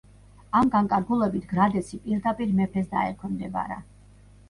ამ განკარგულებით გრადეცი პირდაპირ მეფეს დაექვემდებარა.